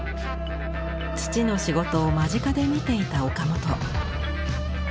父の仕事を間近で見ていた岡本。